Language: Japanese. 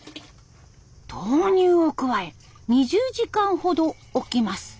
豆乳を加え２０時間ほど置きます。